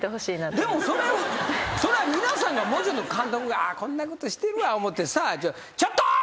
でもそれは皆さんがもうちょっと監督がああこんなことしてるわ思うてさ。